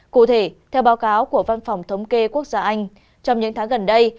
cụ thể theo báo cáo của văn phòng thống kê quốc gia anh trong những tháng gần đây